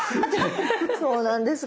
そうなんです。